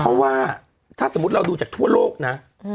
เพราะว่าถ้าสมมุติเราดูจากทั่วโลกนะ